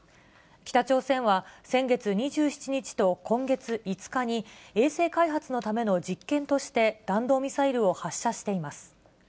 北朝鮮は、先月２７日と今月５日に、衛星開発のための実験として、弾道ミサイルを発射しています。